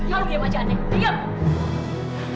diam aja andre diam